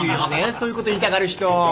そういうこと言いたがる人。